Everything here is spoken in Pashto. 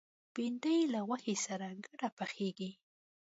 بېنډۍ له غوښې سره ګډه پخېږي